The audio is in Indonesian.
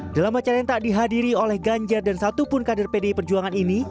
dalam acara yang tak dihadiri oleh ganjar dan satupun kader pdi perjuangan ini